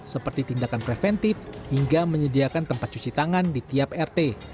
seperti tindakan preventif hingga menyediakan tempat cuci tangan di tiap rt